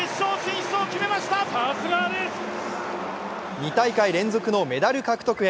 ２大会連続のメダル獲得へ。